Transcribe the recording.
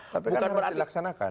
tapi kan harus dilaksanakan